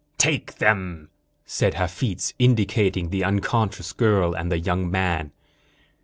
"Take them," said Hafitz, indicating the unconscious girl and the young man.